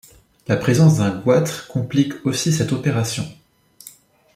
La présence d'un goitre complique aussi cette opération.